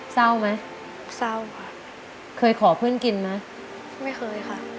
เศร้าไหมเศร้าค่ะเคยขอเพื่อนกินไหมไม่เคยค่ะ